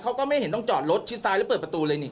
เขาก็ไม่เห็นต้องจอดรถชิดซ้ายแล้วเปิดประตูเลยนี่